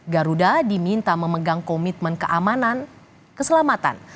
garuda diminta memegang komitmen keamanan keselamatan